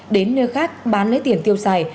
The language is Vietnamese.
đến nơi khác bán lấy tiền tiêu xài